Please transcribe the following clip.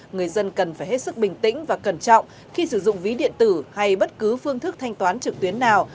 người dân cần phải hết sức bình tĩnh và cẩn trọng khi sử dụng ví điện tử hay bất cứ phương thức thanh toán trực tuyến nào